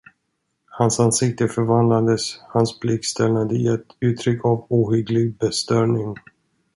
Hans ansikte förvandlades, hans blick stelnade i ett uttryck av ohygglig bestörtning.